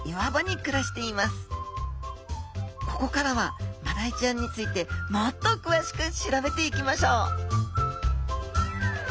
ここからはマダイちゃんについてもっとくわしく調べていきましょう！